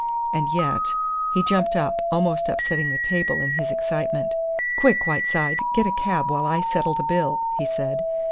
And yet " He jumped up, almost upsetting the table in his excitement. "Quick, Whiteside! Get a cab while I settle the bill," he said.